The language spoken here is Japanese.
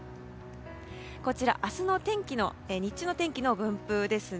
こちら明日の日中の天気の分布です。